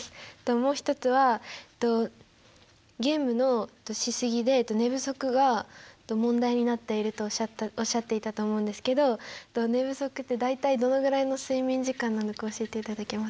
もう一つはゲームのしすぎで寝不足が問題になっているとおっしゃっていたと思うんですけど寝不足って大体どのぐらいの睡眠時間なのか教えていただけますか？